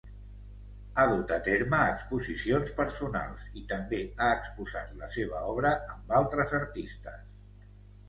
Ha dut ha terme exposicions personals i també ha exposat la seva obra amb altres artistes.